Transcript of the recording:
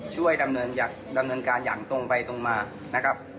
ช่วยดำเนินอยากดำเนินการอย่างตรงไปตรงมานะครับ